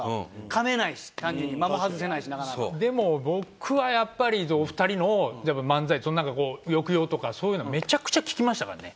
でも僕はやっぱりお二人の漫才なんかこう抑揚とかそういうのはめちゃくちゃ聞きましたからね。